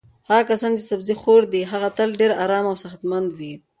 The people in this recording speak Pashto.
هغه کسان چې سبزي خور دي هغوی تل ډېر ارام او صحتمند وي.